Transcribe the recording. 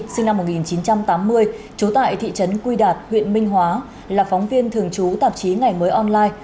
sinh năm một nghìn chín trăm tám mươi trú tại thị trấn quy đạt huyện minh hóa là phóng viên thường trú tạp chí ngày mới online